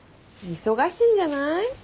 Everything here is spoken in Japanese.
忙しいんじゃない？